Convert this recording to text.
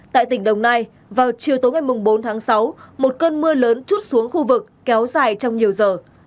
tại tỉnh đồng nai vào chiều tối ngày bốn tháng sáu một cơn mưa lớn chút xuống khu vực kéo dài trong nhiều giờ